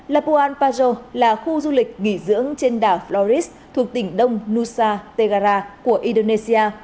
labuan pajo là khu du lịch nghỉ dưỡng trên đảo floris thuộc tỉnh đông nusa tegara của indonesia